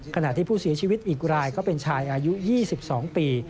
ขณะที่ผู้เสียชีวิตอีกรายก็เป็นชายอายุ๒๒ปี